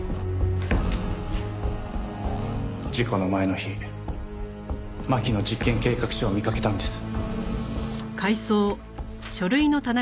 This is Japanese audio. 事故の前の日真希の実験計画書を見かけたんです。